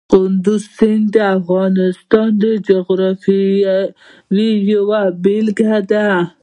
کندز سیند د افغانستان د جغرافیې یوه بېلګه ده.